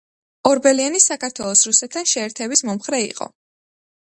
ორბელიანი საქართველოს რუსეთთან შეერთების მომხრე იყო.